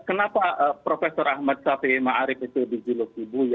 kenapa prof ahmad syafiee ma'arif itu dijuluki buya